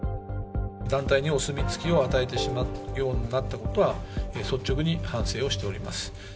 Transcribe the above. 団体にお墨付きを与えてしまうようになったことは、率直に反省をしております。